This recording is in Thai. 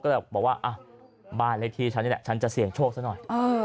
ก็เลยบอกว่าบ้านเลขที่ฉันนี่แหละฉันจะเสี่ยงโชคซะหน่อย